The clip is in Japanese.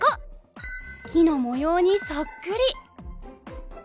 木の模様にそっくり。